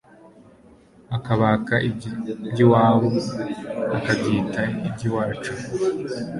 akabaka iby'iwabo akabyita iby'iwacu